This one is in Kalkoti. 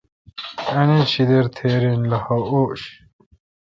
انت شیدل تھیرا ین لخہ اوݭ